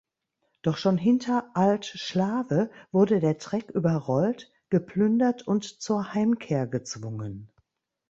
Doch schon hinter Alt Schlawe wurde der Treck überrollt, geplündert und zur Heimkehr gezwungen.